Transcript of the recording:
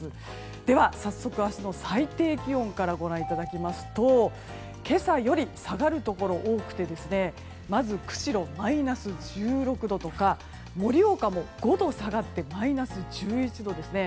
では、早速明日の最低気温からご覧いただきますと今朝より下がるところが多くてまず釧路、マイナス１６度とか盛岡も５度下がってマイナス１１度ですね。